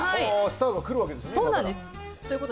スターが来るわけですね？